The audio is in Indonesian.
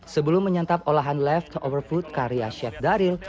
sebelum menyantap olahan left over food karya chef daril